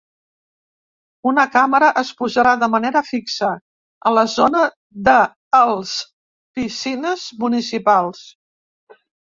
Una càmera es posarà de manera fixa a la zona de els piscines municipals.